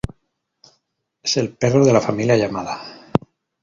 Es el perro de la familia Yamada.